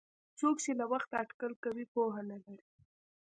څوک چې له وخته اټکل کوي پوهه نه لري.